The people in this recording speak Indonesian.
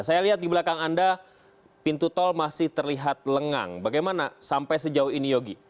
saya lihat di belakang anda pintu tol masih terlihat lengang bagaimana sampai sejauh ini yogi